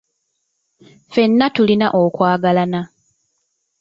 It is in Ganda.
Ffenna tulina okwagalana.